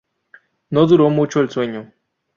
No duró mucho el sueño.